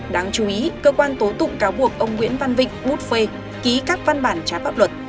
đáng chú ý cơ quan tố tụng cáo buộc ông nguyễn văn vịnh bút phê ký các văn bản trái pháp luật